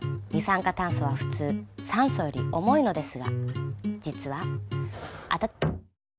二酸化炭素は普通酸素より重いのですが実はあた。